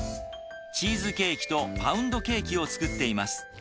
チーズケーキとパウンドケーキを作っています。